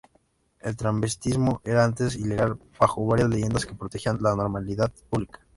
El travestismo era antes ilegal bajo varias leyes que protegían la moralidad pública.